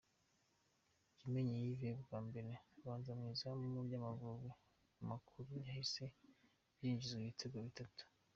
Kimenyi Yves bwa mbere abanza mu izamu ry’Amavubi makuru yahise yinjizwa ibitego bitatu